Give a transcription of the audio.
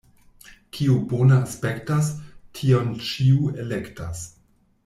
Kio bone aspektas, tion ĉiu elektas.